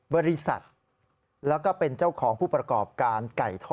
บริษัทแล้วก็เป็นเจ้าของผู้ประกอบการไก่ท้อ